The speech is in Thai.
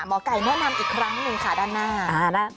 หมอไก่แนะนำอีกครั้งหนึ่งค่ะด้านหน้า